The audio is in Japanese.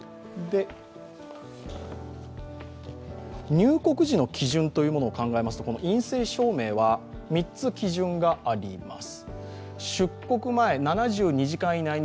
入国時の基準を考えますと、陰性証明は３つ基準があります。